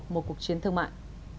một cuộc chiến thương mại